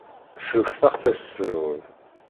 Frut taɣtest-nwen.